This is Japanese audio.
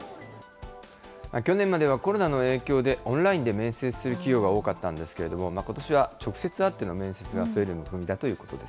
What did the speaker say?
去年まではコロナの影響で、オンラインで面接する企業が多かったんですけれども、ことしは直接会っての面接が増える見込みだということです。